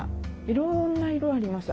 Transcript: いろんな色あります。